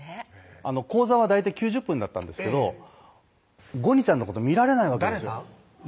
講座は大体９０分だったんですけどゴニちゃんのこと見られない誰さん？